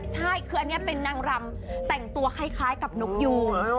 ใช่คืออันนี้เป็นนางรำแต่งตัวคล้ายกับนกยู